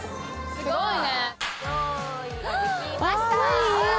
すごいね。